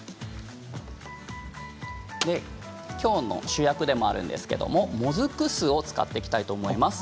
きょうの主役でもあるんですけれどももずく酢を使っていきたいと思います。